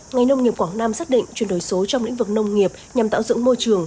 ngành nông nghiệp quảng nam xác định chuyển đổi số trong lĩnh vực nông nghiệp nhằm tạo dựng môi trường